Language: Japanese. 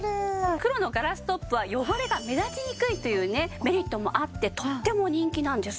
黒のガラストップは汚れが目立ちにくいというねメリットもあってとっても人気なんですよ。